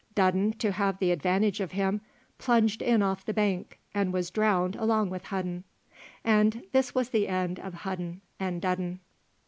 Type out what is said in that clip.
Dudden, to have the advantage of him, jumped in off the bank, and was drowned along with Hudden, and this was the end of Hudden and Dudden.